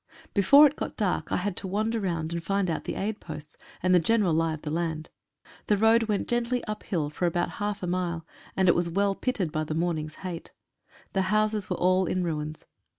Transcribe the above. Before it got dark I had to wander round and find out the aid posts, and the general lie of the land. The road went gently uphill for about half a mile, and it was well pitted by the morning's hate. The houses were all ruins.